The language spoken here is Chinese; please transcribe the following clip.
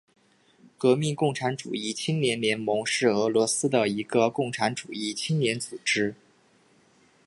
革命共产主义青年联盟是俄罗斯的一个共产主义青年组织。